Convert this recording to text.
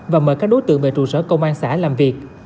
và mời các đối tượng về trụ sở công an xã làm việc